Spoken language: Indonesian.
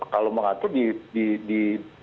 kalau mengatur di